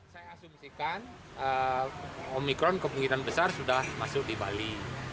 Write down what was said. saya asumsikan omikron kemungkinan besar sudah masuk di bali